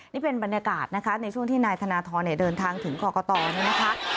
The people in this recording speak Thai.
นี่เป็นบรรยากาศนะคะในช่วงที่นายธนทรเดินทางถึงกรกตนี่นะคะ